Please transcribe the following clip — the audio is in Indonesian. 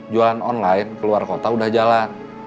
jualan online ke luar kota udah jalan